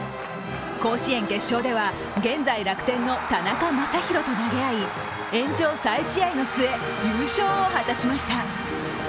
甲子園決勝では現在楽天の田中将大と投げ合い延長再試合の末、優勝を果たしました。